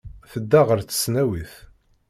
Tedda ɣer tesnawit.